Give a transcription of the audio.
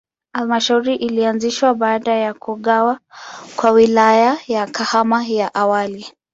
Halmashauri ilianzishwa baada ya kugawa kwa Wilaya ya Kahama ya awali.